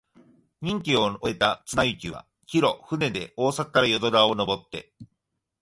任期を終えた貫之は、帰途、船で大阪から淀川をのぼって、